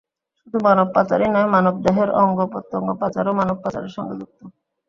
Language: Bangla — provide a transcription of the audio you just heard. শুধু মানব পাচারই নয়, মানবদেহের অঙ্গপ্রত্যঙ্গ পাচারও মানব পাচারের সঙ্গে যুক্ত।